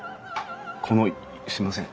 このすいません。